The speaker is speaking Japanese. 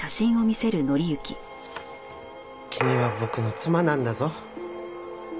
君は僕の妻なんだぞ。